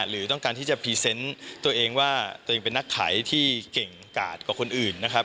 หรือต้องการที่จะพรีเซนต์ตัวเองว่าตัวเองเป็นนักขายที่เก่งกาดกว่าคนอื่นนะครับ